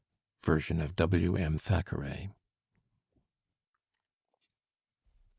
Version of W.M. Thackeray.